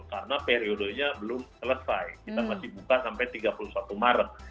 karena periodenya belum selesai kita masih buka sampai tiga puluh satu maret